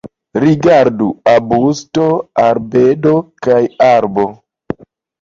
Rigardu: arbusto, arbedo kaj arbo.